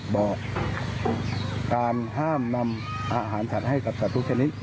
บอกการห้ามนำอาหารสัตว์ให้กับสัตว์ทุกชนิด